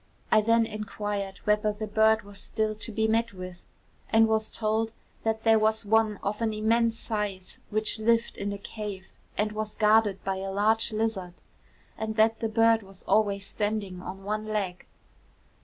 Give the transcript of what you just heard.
I then inquired whether the bird was still to be met with; and was told that there was one of an immense size which lived in a cave, and was guarded by a large lizard, and that the bird was always standing on one leg.